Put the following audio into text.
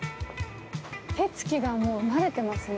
手つきがもう慣れてますね。